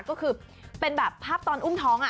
ก็คือเป็นแบบภาพตอนอุ้มท้อง